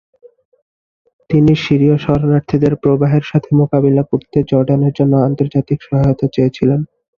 তিনি সিরীয় শরণার্থীদের প্রবাহের সাথে মোকাবিলা করতে জর্ডানের জন্য আন্তর্জাতিক সহায়তা চেয়েছিলেন।